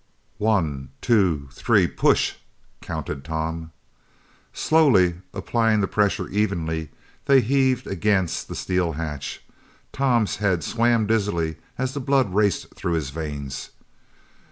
"One two three push!" counted Tom. Slowly, applying the pressure evenly, they heaved against the steel hatch. Tom's head swam dizzily, as the blood raced through his veins.